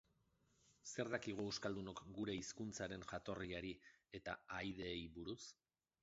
Zer dakigu euskaldunok gure hizkuntzaren jatorriari eta ahaideei buruz?